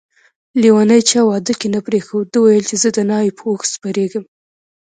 لیونی چا واده کی نه پریښود ده ويل چي زه دناوی په اوښ سپریږم